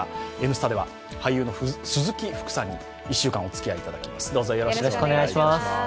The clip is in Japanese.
「Ｎスタ」では俳優の鈴木福さんに１週間おつきあいいただきます。